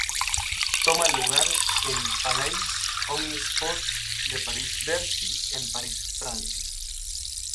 Toma lugar en Palais Omnisports de Paris-Bercy en París, Francia.